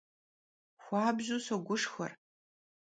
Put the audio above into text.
Xuabju soguşşxuer.